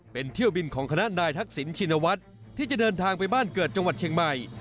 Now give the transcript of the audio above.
เป็นเที่ยวบินของคณะนายทักษิณชินวัฒน์ที่จะเดินทางไปบ้านเกิดจังหวัดเชียงใหม่